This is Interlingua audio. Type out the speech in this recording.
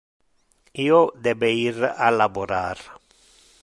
Io debe ir a laborar.